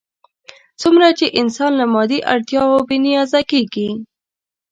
څومره چې انسان له مادي اړتیاوو بې نیازه کېږي.